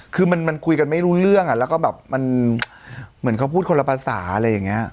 คือมันคุยกันไม่รู้เรื่องแล้วก็แบบมันเหมือนเขาพูดคนละภาษาอะไรอย่างนี้